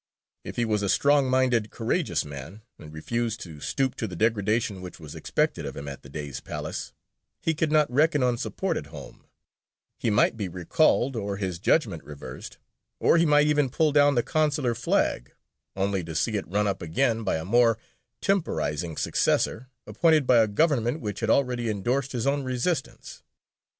If he was a strong minded, courageous man, and refused to stoop to the degradation which was expected of him at the Dey's palace, he could not reckon on support at home; he might be recalled, or his judgment reversed, or he might even pull down the consular flag only to see it run up again by a more temporising successor, appointed by a government which had already endorsed his own resistance.